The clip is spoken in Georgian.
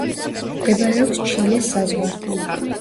მდებარეობს ჩილეს საზღვართან.